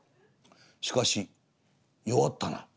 しかし弱ったな」。